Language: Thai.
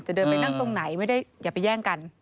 เดินไปนั่งตรงไหนไม่ได้อย่าไปแย่งกัน